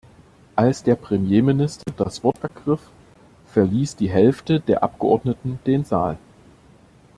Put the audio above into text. Als der Premierminister das Wort ergriff, verließ die Hälfte der Abgeordneten den Saal.